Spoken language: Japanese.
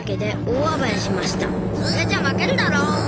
それじゃ負けるだろ！